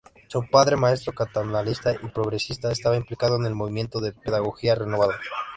Su padre, maestro catalanista y progresista, estaba implicado en el movimiento de pedagogía renovadora.